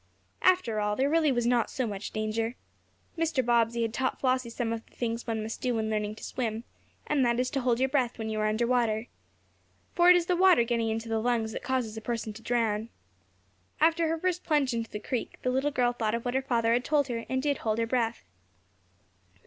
After all, there really was not so much danger. Mr. Bobbsey had taught Flossie some of the things one must do when learning to swim, and that is to hold your breath when you are under water. For it is the water getting into the lungs that causes a person to drown. After her first plunge into the creek, the little girl thought of what her father had told her, and did hold her breath.